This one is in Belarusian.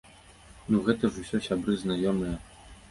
Ну, гэта ж усё сябры-знаёмыя!